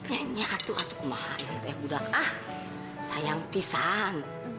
nyi nyi atuh atuh kumaha ya eh budak ah sayang pisah nya